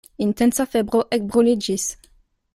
Intensa febro ekbruliĝis.